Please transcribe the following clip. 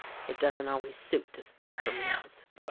It doesn't always suit to stop for meals."